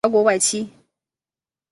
辽国外戚。